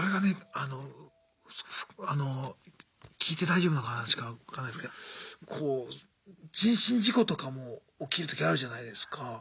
あのあの聞いて大丈夫な話か分かんないですけどこう人身事故とかも起きるときあるじゃないですか。